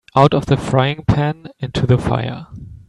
Out of the frying-pan into the fire.